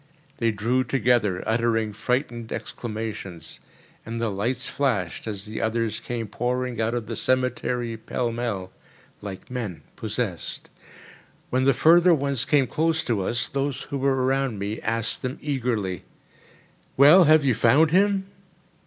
They drew together, uttering frightened exclamations; and the lights flashed as the others came pouring out of the cemetery pell mell, like men possessed. When the further ones came close to us, those who were around me asked them eagerly: "Well, have you found him?"